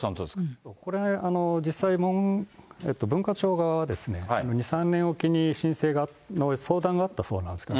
これ、実際、文化庁側は２、３年置きに申請の相談があったそうなんですよ。